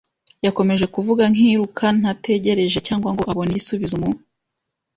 Yakomeje kuvuga nkiruka, ntategereje cyangwa ngo abone igisubizo. mu